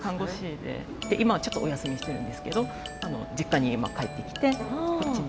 で今はちょっとお休みしてるんですけど実家に今帰ってきてこっちに。